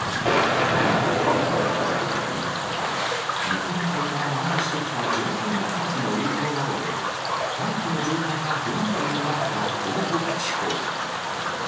日本海から南下してきた上空の寒気の影響などで、大気の状態が不安定となった東北地方。